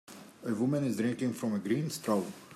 A woman is drinking from a green straw.